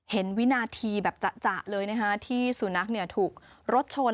วินาทีแบบจะเลยนะคะที่สุนัขถูกรถชน